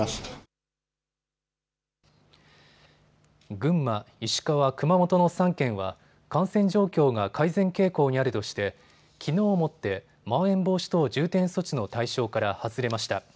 群馬、石川、熊本の３県は感染状況が改善傾向にあるとしてきのうをもってまん延防止等重点措置の対象から外れました。